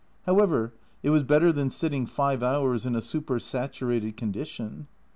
However, it was better than sitting five hours in a super saturated condition.